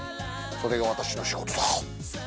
それが私の仕事だ。